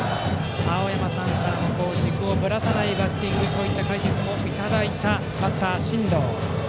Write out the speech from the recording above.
青山さんからも軸をぶらさないバッティングとそういった解説もいただいたバッター、真藤。